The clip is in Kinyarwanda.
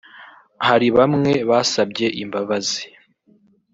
hari bamwe basabye imbabazi